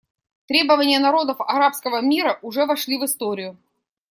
Требования народов арабского мира уже вошли в историю.